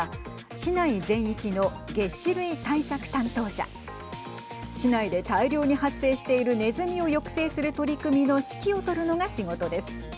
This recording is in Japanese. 市内で大量に発生しているねずみを抑制する取り組みの指揮を執るのが仕事です。